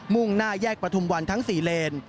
่งหน้าแยกประทุมวันทั้ง๔เลน